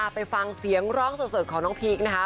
ไปฟังเสียงร้องสดของน้องพีคนะคะ